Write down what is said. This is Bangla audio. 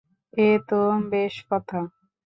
এ তো বেশ কথা।